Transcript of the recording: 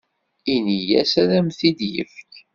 Ini-as ad am-t-id-yefk.